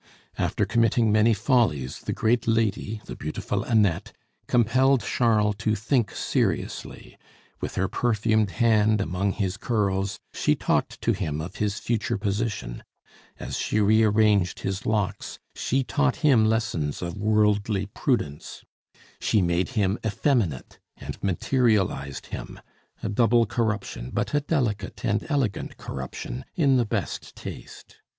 After committing many follies, the great lady the beautiful Annette compelled Charles to think seriously; with her perfumed hand among his curls, she talked to him of his future position; as she rearranged his locks, she taught him lessons of worldly prudence; she made him effeminate and materialized him, a double corruption, but a delicate and elegant corruption, in the best taste.